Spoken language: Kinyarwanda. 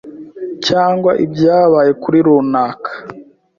cyangwA ibyabaye kuri runaka